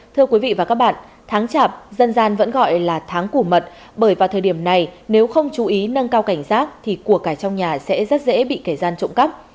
thưa quý vị và các bạn tháng chạp dân gian vẫn gọi là tháng củ mật bởi vào thời điểm này nếu không chú ý nâng cao cảnh giác thì cuộc cải trong nhà sẽ rất dễ bị kẻ gian trộm cắp